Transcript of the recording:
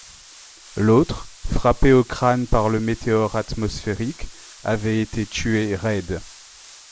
L’autre, frappé au crâne par le météore atmosphérique, avait été tué raide.